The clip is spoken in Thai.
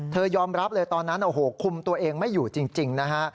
ยอมรับเลยตอนนั้นโอ้โหคุมตัวเองไม่อยู่จริงนะฮะ